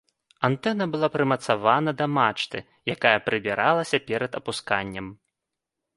Антэна была прымацавана да мачты, якая прыбіралася перад апусканнем.